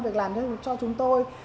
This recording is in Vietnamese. việc làm cho chúng tôi